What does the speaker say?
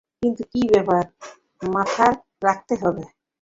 কিন্তু, কিছু ব্যাপার মাথায় রাখতে হবে!